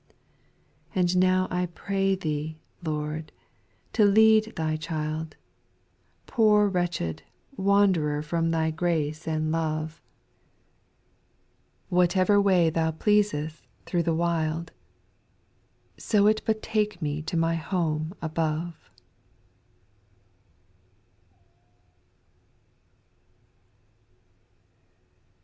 ?./ And now I pray Thee, Lord, to lead Thy child, Poor wretched, wanderer from Thy grace and love —■ 240 SPIRITUAL SONGS. Whatever way Thou pleasest through the wild, So it but take me to my home above.